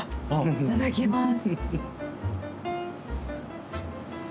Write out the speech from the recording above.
いただきます。